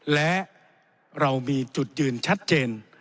และเรามีจุดยืนชัดเจน